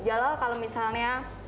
jala kalau misalnya